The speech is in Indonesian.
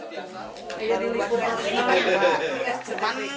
dari dua ke lima dua